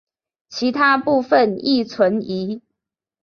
其他部分亦存疑。